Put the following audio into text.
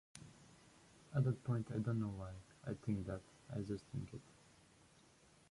At that point I don't know why I think that-I just think it.